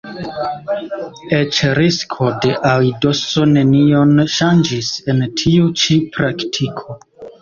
Eĉ risko de aidoso nenion ŝanĝis en tiu ĉi praktiko.